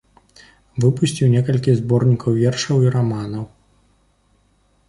Выпусціў некалькі зборнікаў вершаў і раманаў.